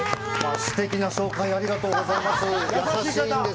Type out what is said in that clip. すてきな紹介をありがとうございます。